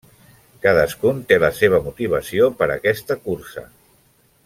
Cadascun té la seva motivació per aquesta cursa.